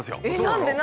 何で？